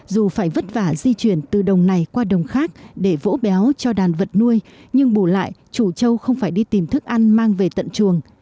dù phải vất vả di chuyển từ đồng này qua đồng khác để vỗ béo cho đàn vật nuôi nhưng bù lại chủ trâu không phải đi tìm thức ăn mang về tận chuồng